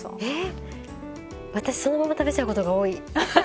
えっ私そのまま食べちゃうことが多い。